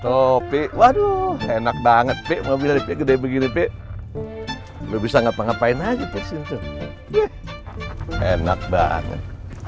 topik waduh enak banget sih mobil gede begini lebih sangat ngapain aja pesen tuh enak banget